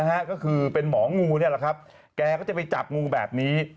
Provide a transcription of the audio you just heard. ก็คือเป็นหมองูนี่แหละครับแกก็จะไปจับงูแบบนี้